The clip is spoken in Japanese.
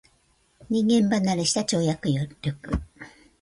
人間離れした跳躍力